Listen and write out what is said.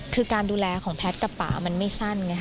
คือการดูแลของแพทย์กับป่ามันไม่สั้นไงค่ะ